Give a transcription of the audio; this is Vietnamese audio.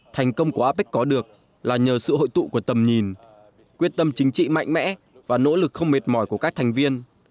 thành công của apec có được là nhờ sự hội tụ của tầm nhìn quyết tâm chính trị mạnh mẽ và nỗ lực không mệt mỏi của các thành viên